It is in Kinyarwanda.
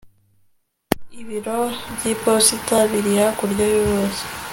ibiro by'iposita biri hakurya y'uruzi